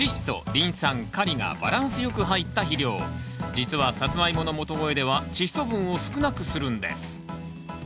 実はサツマイモの元肥ではチッ素分を少なくするんです